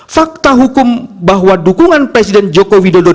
fakta hukum bahwa dukungan presiden joko widodo